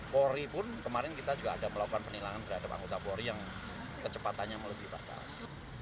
polri pun kemarin kita juga ada melakukan penilangan terhadap anggota polri yang kecepatannya melebihi batas